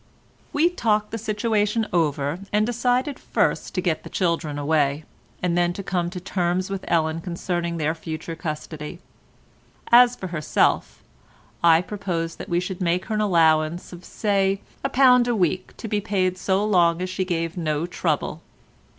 We talked the situation over, and decided first to get the children away, and then to come to terms with Ellen concerning their future custody; as for herself, I proposed that we should make her an allowance of, say, a pound a week to be paid so long as she gave no trouble.